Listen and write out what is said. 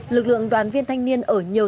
lực lượng đoàn viên thanh niên ở nhiều